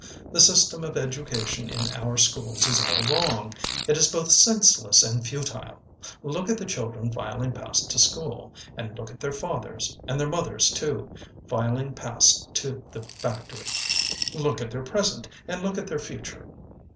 The system of education in our schools is all wrong. It is both senseless and futile. Look at the children filing past to school, and look at their fathers, and their mothers too, filing past to the factory. Look at their present, and look at their future.